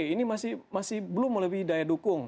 ini masih belum melebihi daya dukung